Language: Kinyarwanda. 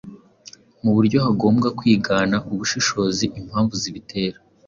mu buryo hagombwa kwigana ubushishozi impanvu zibitera